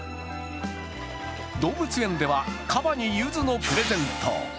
動物園ではかばにゆずのプレゼント。